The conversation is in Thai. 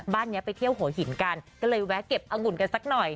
บ้านนี้ไปเที่ยวหัวหินกันก็เลยแวะเก็บองุ่นกันสักหน่อย